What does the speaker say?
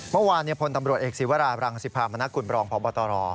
เมื่อวานพลตำรวจเอกศิวราบรังสิภามณกุลบรองพบตร